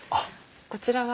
こちらは。